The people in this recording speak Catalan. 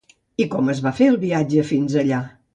I com va fer el viatge fins allà?